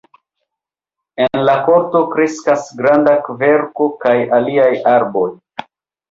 En la korto kreskas granda kverko kaj aliaj arboj.